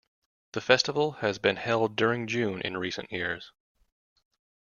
The festival has been held during June in recent years.